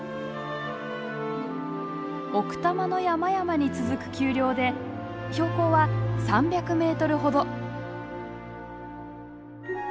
奥多摩の山々に続く丘陵で標高は３００メートルほど。